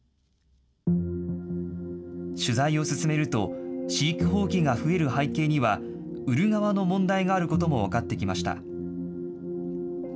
取材を進めると、飼育放棄が増える背景には、売る側の問題があることも分かってきました。